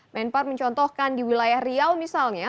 menpar mencontohkan di wilayah riau misalnya